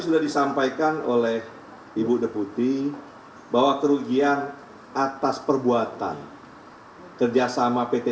sudah disampaikan oleh ibu deputi bahwa kerugian atas perbuatan kerjasama pt